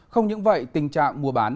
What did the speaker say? không những vậy tình trạng mua bán